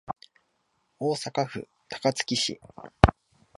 大阪府高槻市